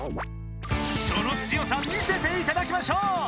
その強さ見せていただきましょう！